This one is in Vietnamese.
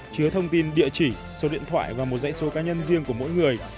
chứa thông tin địa chỉ số điện thoại và một dãy số cá nhân riêng của mỗi người